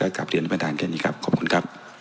ท่านจะวินิจฉัยมานั้นนะครับซึ่ง